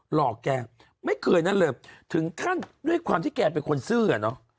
หลอกแกไม่เคยนั่นเลยถึงขั้นด้วยความที่แกเป็นคนซื่อเนอะ